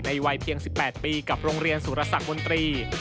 วัยเพียง๑๘ปีกับโรงเรียนสุรสักมนตรี